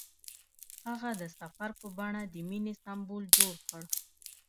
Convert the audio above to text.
هغه د سفر په بڼه د مینې سمبول جوړ کړ.